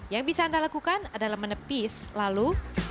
yang bisa anda lakukan adalah menepis lalu